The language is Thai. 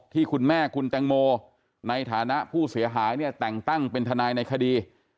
ที่คุณแม่คุณแตงโมในฐานะผู้เสียหายเนี่ยแต่งตั้งเป็นทนายในคดี